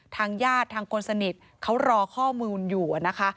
ทางญาติทางคนสนิทเขารอข้อมูลอยู่นะคะ